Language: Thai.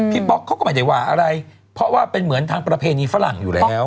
ป๊อกเขาก็ไม่ได้ว่าอะไรเพราะว่าเป็นเหมือนทางประเพณีฝรั่งอยู่แล้ว